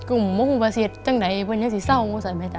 กลุ่มมหุ่นประสิทธิ์จังไหนเพื่อนนี้สิเศร้ามากว่าซะไหมจ๊ะ